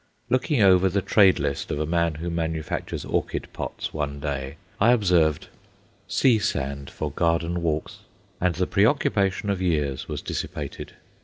Looking over the trade list of a man who manufactures orchid pots one day, I observed, "Sea sand for Garden Walks," and the preoccupation of years was dissipated.